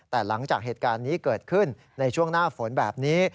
แต่หลังจากเหตุการณ์นี้เกิดขึ้นในช่วงหน้าฝนแบบนี้